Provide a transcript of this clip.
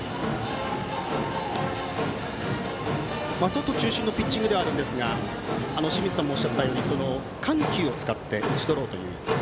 外中心のピッチングではありますが清水さんもおっしゃったように緩急を使って打ち取ろうという。